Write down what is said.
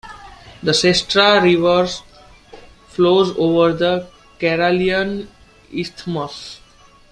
The Sestra River flows over the Karelian Isthmus.